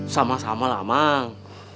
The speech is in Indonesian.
sama sama lah amang